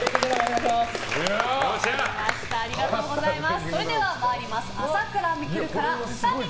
ありがとうございます。